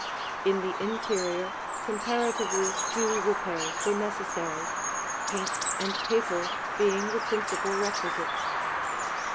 In the interior comparatively few repairs were necessary, paint and paper being the principal requisites.